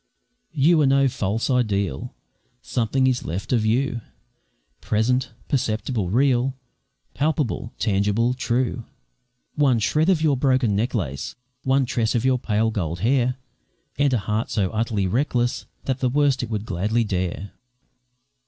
You are no false ideal, Something is left of you, Present, perceptible, real, Palpable, tangible, true; One shred of your broken necklace, One tress of your pale, gold hair, And a heart so utterly reckless, That the worst it would gladly dare.